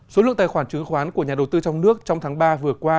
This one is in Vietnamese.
số lượng tài khoản chứng khoán của nhà đầu tư trong nước trong tháng ba vừa qua